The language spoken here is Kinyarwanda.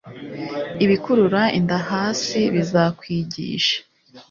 ibikurura inda hasi bizakwigishe